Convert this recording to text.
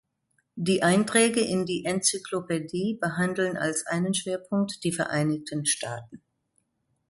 Die Einträge in die Enzyklopädie behandeln als einen Schwerpunkt die Vereinigten Staaten.